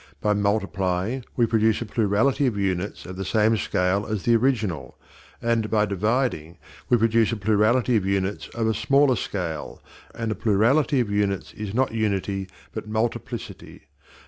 By multiplying, we produce a plurality of units of the same scale as the original; and by dividing, we produce a plurality of units of a smaller scale; and a plurality of units is not unity but multiplicity.